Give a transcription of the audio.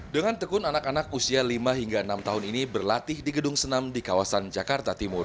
dengan tekun anak anak usia lima hingga enam tahun ini berlatih di gedung senam di kawasan jakarta timur